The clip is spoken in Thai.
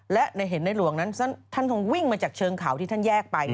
และเห็นในหลวงนั้นท่านคงวิ่งมาจากเชิงเขาที่ท่านแยกไป